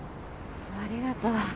ありがとう。